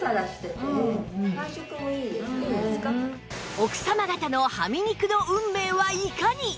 奥様方のはみ肉の運命はいかに？